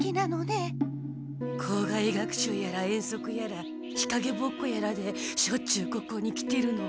校外学習やら遠足やら日かげぼっこやらでしょっちゅうここに来てるの。